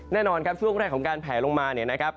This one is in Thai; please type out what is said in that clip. แน่นอนครับช่วงแรกของการแผลลงมาเนี่ยนะครับ